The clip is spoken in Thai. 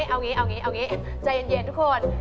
เอาอย่างนี้ใจเย็นทุกคน